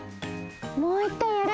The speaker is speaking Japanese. もう１かいやる？